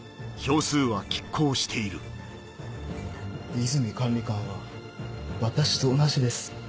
和泉管理官は私と同じです。